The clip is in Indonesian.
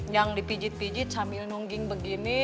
yang dipijit pijit sambil nungging begini